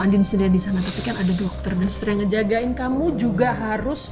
andi disini dan disana tapi kan ada dokter dan istrinya ngejagain kamu juga harus